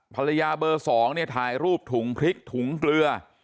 ภรรยาเบอร์๒เนี่ยถ่ายรูปถุงพริกถุงเกลือ